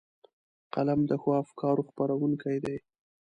قلم د ښو افکارو خپرونکی دی